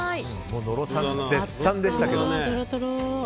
野呂さん絶賛でしたけど。